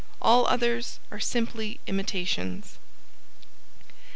All others are simply imitations.